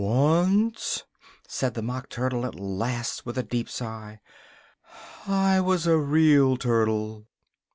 "Once," said the Mock Turtle at last, with a deep sigh, "I was a real Turtle."